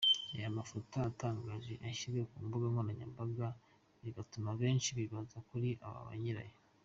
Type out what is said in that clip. Reba Amafoto atangaje yashyizwe ku mbuga nkoranyambaga bigatuma benshi bibaza kuri ba nyirayo.